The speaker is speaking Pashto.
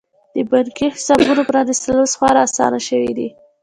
د بانکي حسابونو پرانیستل اوس خورا اسانه شوي دي.